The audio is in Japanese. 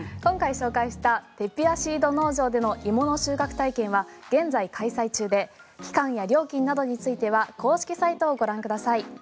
今回紹介したテピアシード農場での芋の収穫体験は現在開催中で期間や料金などについては公式サイトをご覧ください。